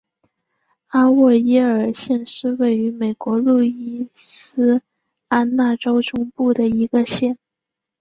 阿沃耶尔县是位于美国路易斯安那州中部的一个县。